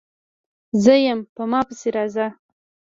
_زه يم، په ما پسې راځه!